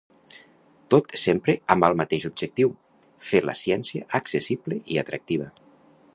Tot sempre amb el mateix objectiu: fer la ciència accessible i atractiva.